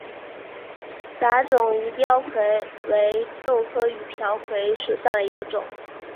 杂种鱼鳔槐为豆科鱼鳔槐属下的一个种。